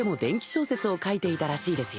全饐發書いていたらしいですよ。